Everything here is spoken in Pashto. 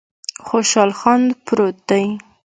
خوشحال خان پروت دی